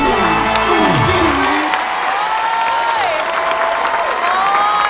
ร้องได้ให้หลาน